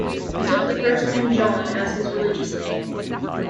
He took the first name John as his religious name.